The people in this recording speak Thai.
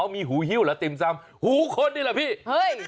มีหูฮิ้วเหรอติ่มซำหูคนนี่แหละพี่เฮ้ย